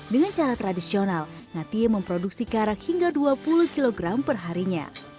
dengan cara tradisional ngatie memproduksi karak hingga dua puluh kg perharinya